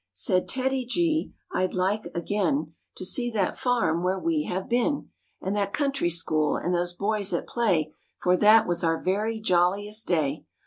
Said TEDDY G, " I'd like again To see that farm where we have been, And that country school and those boys at play, For that was our very jolliest day."